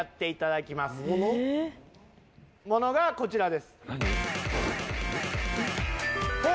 モノがこちらです。